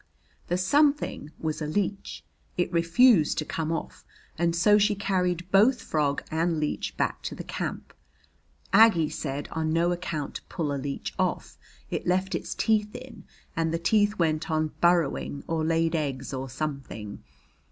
The something was a leech. It refused to come off, and so she carried both frog and leech back to the camp. Aggie said on no account to pull a leech off, it left its teeth in and the teeth went on burrowing, or laid eggs or something.